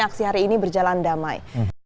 aksi hari ini berjalan damai